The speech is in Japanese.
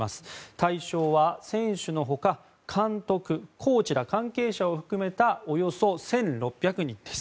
対象は、選手の他監督、コーチら関係者を含めたおよそ１６００人です。